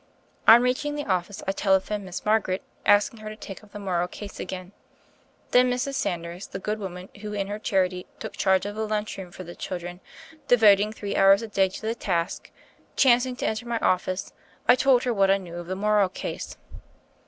On reaching the office I telephoned Miss Margaret, asking her to take up the Morrow case again. Then Mrs. Sanders, the good woman who in her charity took charge of the lunch room for the children, devoting three hours a day to the task, chancing to enter my office, I told her what I knew of the Morrow case.